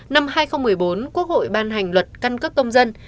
năm hai nghìn một mươi bốn quốc hội ban hành luật căn cước công dân